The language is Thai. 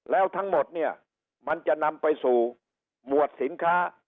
แล้วทั้งหมดเนี่ยมันจะนำไปสู่หมวดสินค้า